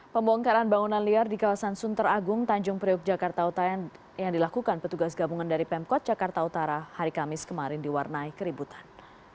pembongkaran bangunan liar di kawasan sunter agung tanjung priok jakarta utara yang dilakukan petugas gabungan dari pemkot jakarta utara hari kamis kemarin diwarnai keributan